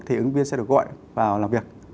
thì ứng viên sẽ được gọi vào làm việc